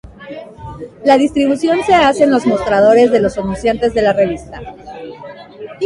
La distribución se hace en los mostradores de los anunciantes de la revista.